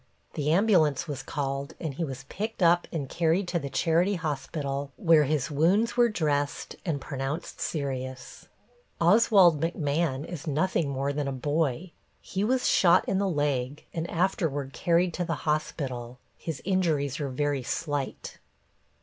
The ambulance was called and he was picked up and carried to the charity hospital, where his wounds were dressed and pronounced serious. Oswald McMahon is nothing more than a boy. He was shot in the leg and afterward carried to the hospital. His injuries are very slight.